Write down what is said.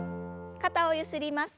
肩をゆすります。